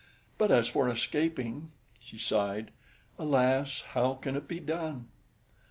But as for escaping" she sighed "alas, how can it be done?"